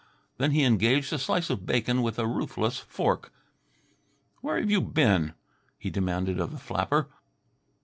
Then he engaged a slice of bacon with a ruthless fork. "Where you been?" he demanded of the flapper.